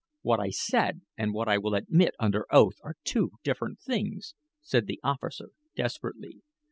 "What I said and what I will admit under oath are two different things," said the officer, desperately.